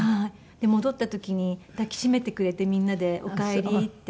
で戻った時に抱きしめてくれてみんなでおかえりって。